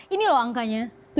ini loh angkanya